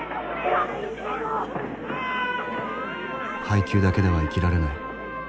配給だけでは生きられない。